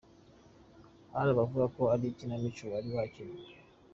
Hari abavuga ko ari ikinamico wari wakinnye.